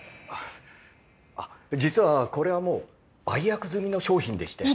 あっ実はこれはもう売約済みの商品でして。